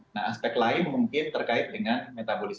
nah aspek lain mungkin terkait dengan metabolisme